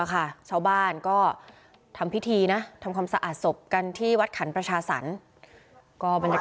ถึงเราว่าเราไม่เจ็งความถือว่าไงเก่งได้อยู่กับลูก